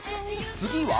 次は。